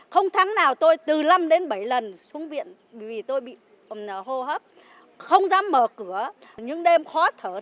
không thắng nào tôi từ năm đến bảy lần xuống viện vì tôi bị hô hấp không dám mở cửa những đêm khó thở